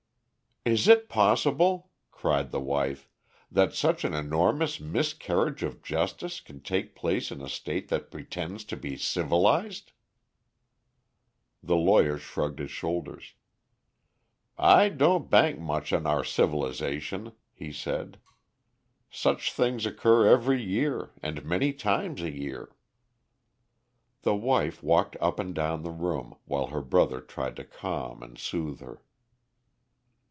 "Is it possible," cried the wife, "that such an enormous miscarriage of justice can take place in a State that pretends to be civilised?" The lawyer shrugged his shoulders. "I don't bank much on our civilisation," he said. "Such things occur every year, and many times a year." The wife walked up and down the room, while her brother tried to calm and soothe her.